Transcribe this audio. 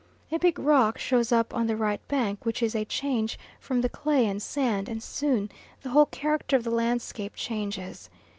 A big rock shows up on the right bank, which is a change from the clay and sand, and soon the whole character of the landscape changes.